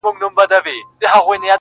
چي هر يو به سو راستون له خياطانو-